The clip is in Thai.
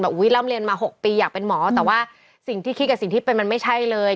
ร่ำเรียนมา๖ปีอยากเป็นหมอแต่ว่าสิ่งที่คิดกับสิ่งที่เป็นมันไม่ใช่เลย